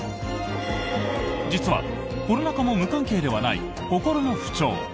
実はコロナ禍も無関係ではない心の不調。